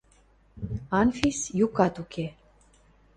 Анфис – юкат уке.